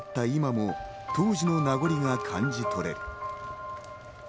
今も当時の名残は感じ取れる。